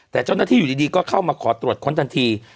แต่เจ้าหน้าที่อยู่ดีก็เข้ามาขอตรวจค้นทันที